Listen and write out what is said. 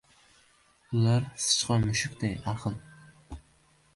• Ular sichqon-mushukday ahil.